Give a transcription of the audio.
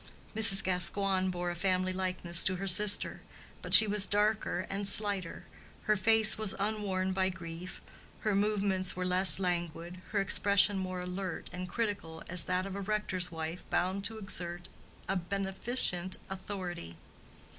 Mrs. Gascoigne bore a family likeness to her sister. But she was darker and slighter, her face was unworn by grief, her movements were less languid, her expression more alert and critical as that of a rector's wife bound to exert a beneficent authority.